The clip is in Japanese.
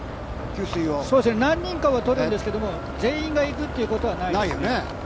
何人かは取るんですけど、全員が行くということはないですね。